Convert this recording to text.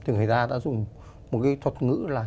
người ta đã dùng một cái thuật ngữ là